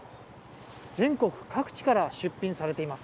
全国各地から出品されています。